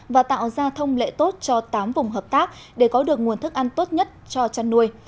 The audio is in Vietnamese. và tạo ra thông lệ tốt cho tám vùng hợp tác để có được nguồn thức ăn tốt nhất cho chăn nuôi